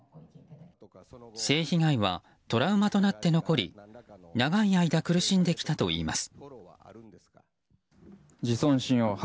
性被害はトラウマとなって残り長い間、苦しんできたと言います。